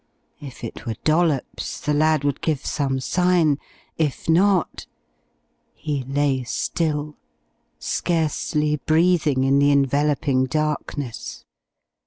If it were Dollops the lad would give some sign. If not He lay still, scarcely breathing in the enveloping darkness.